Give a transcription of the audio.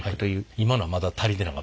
今のはまだ足りてなかったんですか？